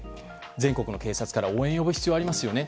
全国の警察から応援を呼ぶ必要がありますよね。